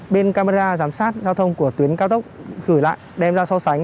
bên camera giám sát giao thông của tuyến cao tốc gửi lại đem ra so sánh